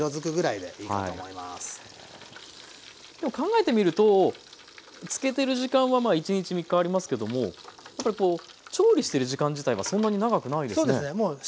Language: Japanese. でも考えてみると漬けてる時間はまあ１日３日ありますけどもやっぱりこう調理してる時間自体はそんなに長くないですね。